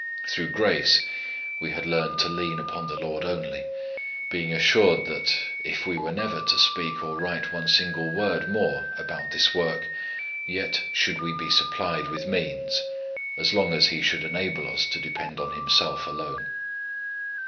Through grace we had learned to lean upon the Lord only, being assured, that, if we were never to speak or write one single word more about this work, yet should we be supplied with means, as long as He should enable us to depend on Himself alone.